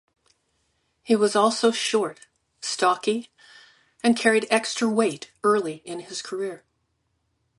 He was also short, stocky and carried extra weight early in his career.